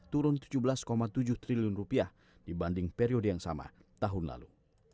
turun tujuh belas tujuh triliun rupiah dibanding periode yang sama tahun lalu